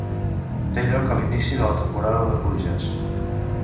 Té lloc a l'inici de la temporada de pluges.